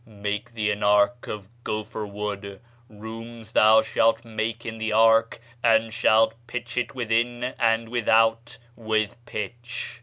Make thee an ark of gopher wood; rooms shalt thou make in the ark, and shalt pitch it within and without with pitch.